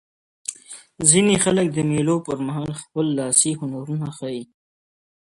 ځیني خلک د مېلو پر مهال خپل لاسي هنرونه ښيي.